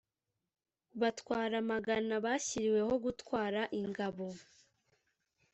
batwara amagana bashyiriweho gutwara ingabo